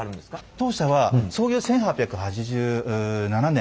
当社は創業１８８７年。